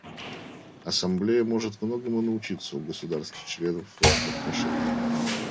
Ассамблея может многому научиться у государств-членов в этом отношении.